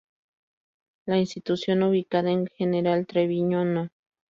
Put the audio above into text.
La institución, ubicada en General Treviño No.